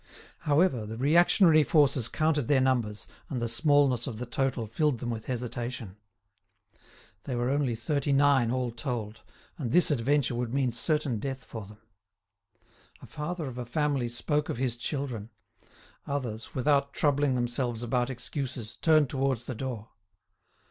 However, the reactionary forces counted their numbers, and the smallness of the total filled them with hesitation. They were only thirty nine all told, and this adventure would mean certain death for them. A father of a family spoke of his children; others, without troubling themselves about excuses, turned towards the door.